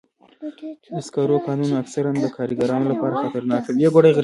د سکرو کانونه اکثراً د کارګرانو لپاره خطرناک وي.